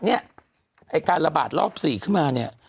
ไอ้การระบาดรอบ๔ขึ้นมา